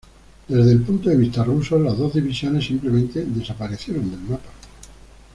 Desde el punto de vista ruso, las dos divisiones simplemente desaparecieron del mapa.